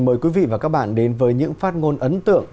mời quý vị và các bạn đến với những phát ngôn ấn tượng